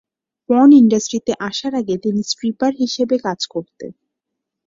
Porn ইন্ডাস্ট্রিতে আসার আগে তিনি স্ট্রিপার হিসেবে কাজ করতেন।